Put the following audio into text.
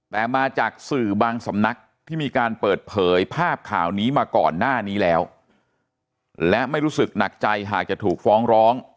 แต่มาจากสื่อบางสำนักที่มีการเปิดเผยภาพข่าวนี้มาก่อนหน้านี้แล้วและไม่รู้สึกหนักใจหากจะถูกฟ้องร้อง